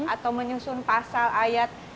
atau menyusun pasal ayat